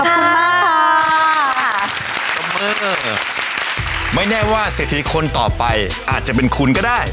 ไม่แน่ว่าเศรษฐีคนต่อไปอาจจะเป็นคุณก็ได้